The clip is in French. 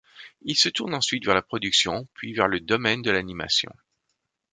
Il se tourne ensuite vers la production, puis vers le domaine de l'animation.